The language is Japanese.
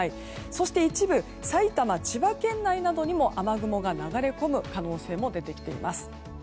そして、一部埼玉、千葉県内などにも雨雲が流れ込む可能性も出てきています。